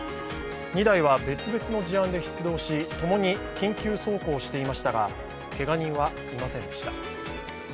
２台は別々の事案で出動し共に緊急走行していましたがけが人はいませんでした。